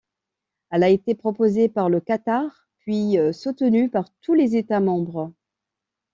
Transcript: Elle a été proposée par le Qatar, puis soutenue par tous les États membres.